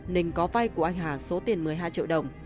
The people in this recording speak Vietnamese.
nình có vai của anh hà số tiền một mươi hai triệu đồng